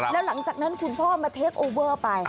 แล้วหลังจากนั้นคุณพ่อมาเทคโอเวอร์ไป